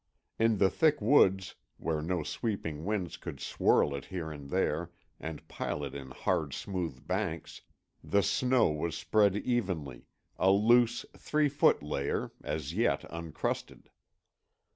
In the thick woods, where no sweeping winds could swirl it here and there and pile it in hard smooth banks, the snow was spread evenly, a loose, three foot layer, as yet uncrusted.